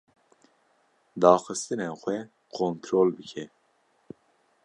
Daxistinên xwe kontol bike.